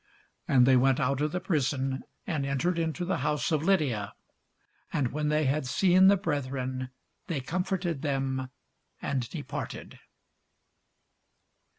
And they went out of the prison, and entered into the house of Lydia: and when they had seen the brethren, they comforted them, and departed.